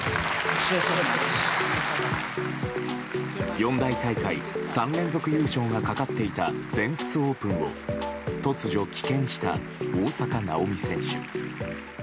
四大大会３連続優勝がかかっていた全仏オープンを突如棄権した大坂なおみ選手。